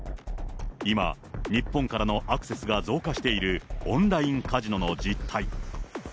今、日本からのアクセスが増加しているオンラインカジノの実態。